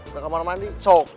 ke kamar mandi sok